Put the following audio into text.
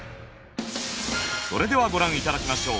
それではご覧頂きましょう。